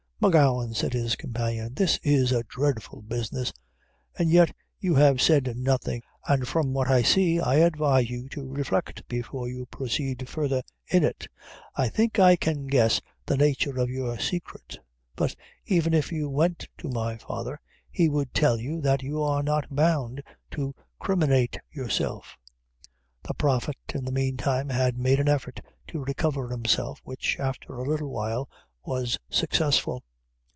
"M'Gowan," said his companion, "this is a dreadful business. As yet you have said nothing, and from what I see, I advise you to reflect before you proceed further in it. I think I can guess the nature of your secret; but even if you went to my father, he would tell you, that you are not bound to criminate yourself." The Prophet, in the mean time, had made an effort to recover himself, which, after a little time, was successful.